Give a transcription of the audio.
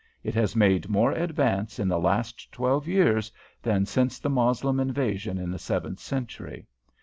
It has made more advance in the last twelve years than since the Moslem invasion in the seventh century.